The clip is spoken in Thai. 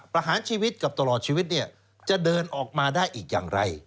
ประหารชีวิตกับตลอดชีวิตเนี่ยจะเดินออกมาได้อีกอย่างไร